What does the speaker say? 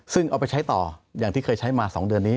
ซึ่งเอาไปใช้ต่ออย่างที่เคยใช้มา๒เดือนนี้